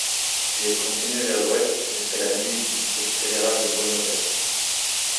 Puis elle continue vers l'ouest, jusqu'à la limite du District Fédéral de Buenos Aires.